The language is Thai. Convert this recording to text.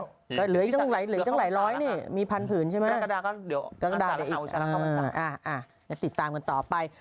วิตากราบไปแล้วเหลือตั้งหลายร้อยนี่มีพันธุ์ผื่นใช่ไหมติดตามกันต่อไป